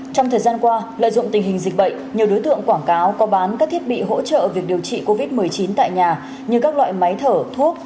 trong thời gian qua lợi dụng tình hình dịch bệnh nhiều đối tượng quảng cáo có bán các thiết bị hỗ trợ việc điều trị covid một mươi chín tại nhà như các loại máy thở thuốc